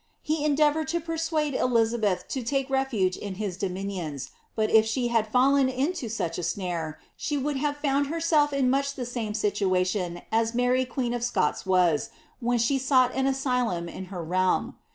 He endeavoured to persuade Elixabeth to idc leAigv 10 hie dominions; but if she had fidlen into such a snaze, ■be would have found herself in much the same situation as Blaiy queen of Soots was, when she sought an asylum in her realm.